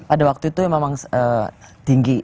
pada waktu itu memang tinggi